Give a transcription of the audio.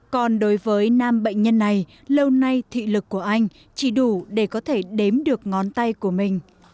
còn đối với nam bệnh nhân này lâu nay thị lực của anh chỉ đủ để có thể đếm được ngón tay của mình